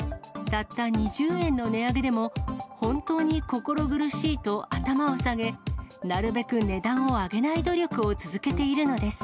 たった２０円の値上げでも、本当に心苦しいと頭を下げ、なるべく値段を上げない努力を続けているのです。